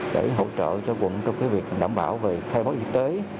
để hỗ trợ cho quận trong việc đảm bảo về khai báo y tế